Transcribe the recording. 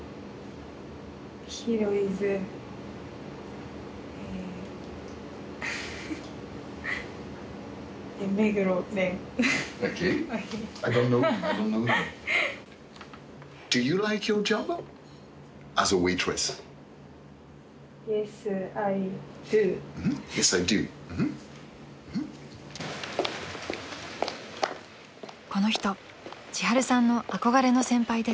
［この人ちはるさんの憧れの先輩です］